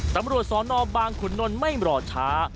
ตำรวจสนบางขุนนลไม่รอช้า